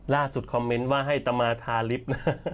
ล่าสุดคอมเม้นท์ว่าให้ตมทาลิสด์